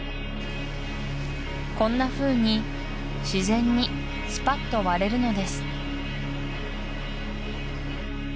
こんなふうに自然にスパッと割れるのです